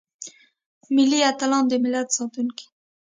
ملي اتلان دملت ساتونکي.